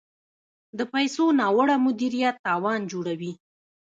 د پیسو ناوړه مدیریت تاوان جوړوي.